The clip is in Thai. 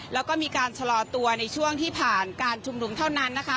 แล้วก็มีการชะลอตัวในช่วงที่ผ่านการชุมนุมเท่านั้นนะคะ